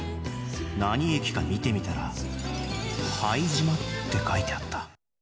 何駅か見てみたら「はいじま」って書いてあった。